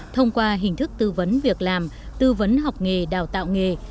thông qua hình thức tư vấn việc làm tư vấn học nghề đào tạo nghề